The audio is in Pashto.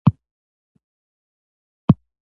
د تاشکند تړون وشو.